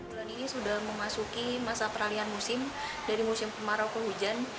bulan ini sudah memasuki masa peralian musim dari musim kemarau ke hujan